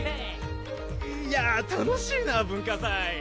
いや楽しいな文化祭！